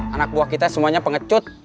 anak buah kita semuanya pengecut